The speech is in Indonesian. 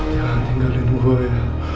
jangan tinggalin gua ya